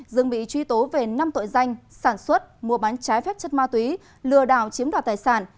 dương bị truy tố về năm tội danh sản xuất mua bán trái phép chất ma túy lừa đảo chiếm đoạt tài sản